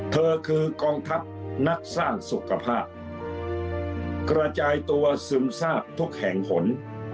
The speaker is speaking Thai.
เธอคือกองทัพนักสร้างสุขภาพกระจายตัวซึมทราบทุกแห่งหน